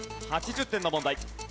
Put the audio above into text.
８０点の問題。